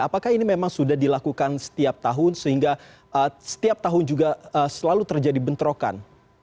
apakah ini memang sudah dilakukan setiap tahun sehingga setiap tahun juga selalu terjadi bentrokan